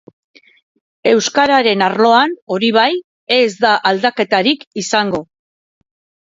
Euskararen arloan, hori bai, ez da aldaketarik izango.